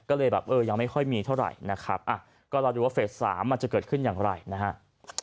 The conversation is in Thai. ก็เลยแบบเออยังไม่ค่อยมีเท่าไหร่นะครับก็รอดูว่าเฟส๓มันจะเกิดขึ้นอย่างไรนะฮะ